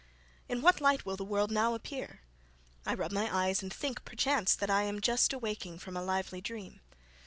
In what light will the world now appear? I rub my eyes and think, perchance, that I am just awaking from a lively dream.